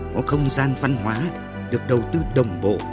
có không gian văn hóa được đầu tư đồng bộ